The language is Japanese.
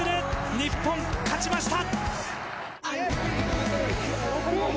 日本勝ちました。